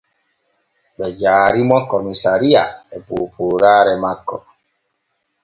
Ɓe jaari mo komisariya e poopooraare makko.